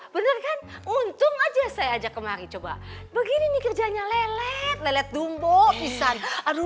bener kan untung aja saya ajak kemari coba begini nih kerjanya lelet lelet dumbo bisa aduh